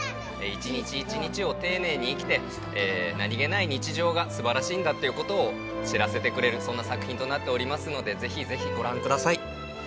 一日一日を丁寧に生きて何げない日常がすばらしいんだということを知らせてくれるそんな作品となっておりますのでぜひぜひ、ご覧ください。